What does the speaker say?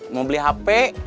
mau beli hp